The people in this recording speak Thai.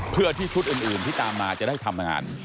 เพื่อที่ชุดอื่นที่ตามมาจะได้ทำงาน